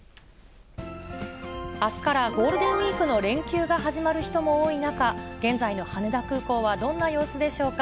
あすからゴールデンウィークの連休が始まる人も多い中、現在の羽田空港はどんな様子でしょうか。